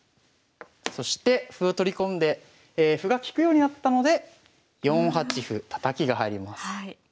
そして歩を取り込んで歩が利くようになったので４八歩たたきが入ります。